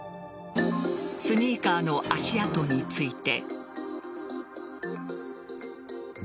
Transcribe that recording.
スニーカーの足跡について。